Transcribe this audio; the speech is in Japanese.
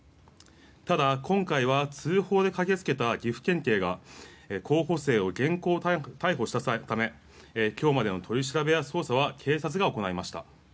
ただ、今回は通報で駆け付けた岐阜県警が候補生を現行犯逮捕したため今日までの取り調べや捜査は警察が行いました。